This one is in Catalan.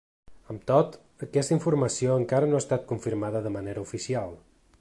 Amb tot, aquesta informació encara no ha estat confirmada de manera oficial.